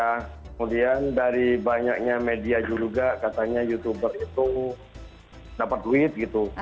kemudian dari banyaknya media juga katanya youtuber itu dapat duit gitu